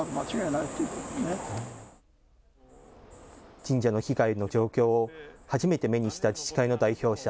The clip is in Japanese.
神社の被害の状況を初めて目にした自治会の代表者。